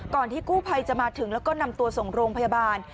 ที่กู้ภัยจะมาถึงแล้วก็นำตัวส่งโรงพยาบาล